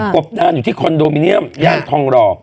บดานอยู่ที่คอนโดมิเนียมย่านทองหล่อ